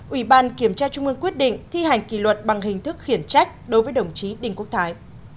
ủy ban kiểm tra trung ương quyết định thi hành kỷ luật bằng hình thức khiển trách đối với đồng chí đinh quốc thái